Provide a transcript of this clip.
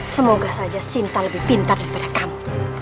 semoga saja sinta lebih pintar pada kamu